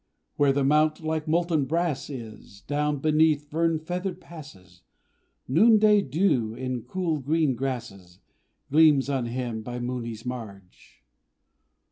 Where the mount like molten brass is, Down beneath fern feathered passes, Noonday dew in cool green grasses Gleams on him by Mooni's marge.